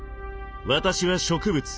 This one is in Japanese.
私は植物。